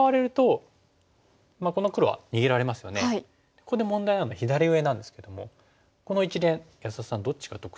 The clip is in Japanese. ここで問題なのは左上なんですけどもこの一連安田さんどっちが得してますかね。